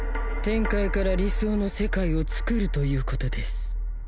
天界から理想の世界をつくるということです